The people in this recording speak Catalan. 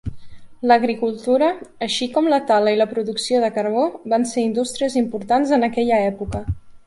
L'agricultura, així com la tala i la producció de carbó, van ser indústries importants en aquella època.